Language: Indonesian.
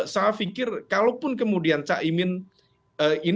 saya pikir kalaupun kemudian cak imin ini